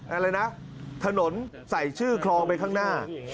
อะไรนะถนนใส่ชื่อคลองไปข้างหน้า